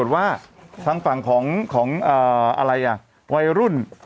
ว่าทางฝั่งของอะไรอ่ะวัยรุ่น